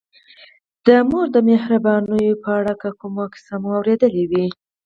د مور د مهربانیو په اړه که کومه کیسه مو اورېدلې وي.